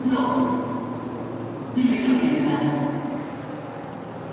Tiberio aparentemente temía por la seguridad de su esposa e hijas.